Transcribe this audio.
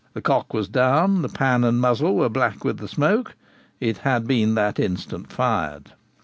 The cock was down, the pan and muzzle were black with the smoke; it had been that instant fired.